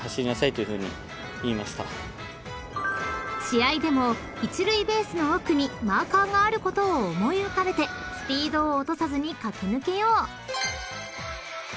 ［試合でも一塁ベースの奥にマーカーがあることを思い浮かべてスピードを落とさずに駆け抜けよう］